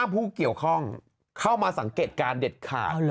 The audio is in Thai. ผู้เกี่ยวข้องเข้ามาสังเกตการณ์เด็ดขาด